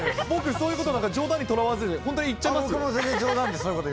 僕、そういうことなんか冗談にとらわず、本当に行っちゃいますよ。